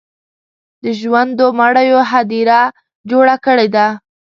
د ژوندو مړیو هدیره جوړه کړې ده.